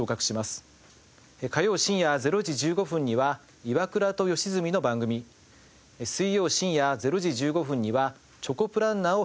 火曜深夜０時１５分には『イワクラと吉住の番組』水曜深夜０時１５分には『チョコプランナー』を編成。